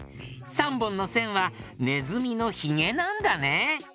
３ぼんのせんはねずみのひげなんだね。